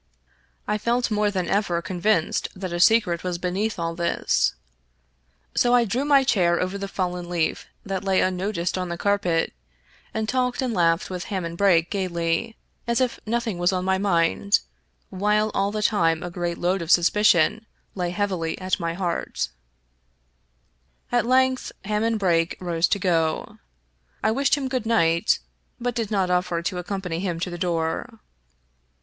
I felt more than ever convinced that a secret was beneath all this. So I drew my chair over the fallen leaf that lay unnoticed on the carpet, and talked and laughed with Hammond Brake gayly, as if nothing was on my mind, while all the time a great load of suspicion lay heavily at my heart At length Hammond Brake rose to go. I wished him good night, but did not offer to accompany him to the door.